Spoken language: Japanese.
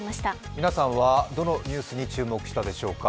皆さんはどのニュースに注目したでしょうか。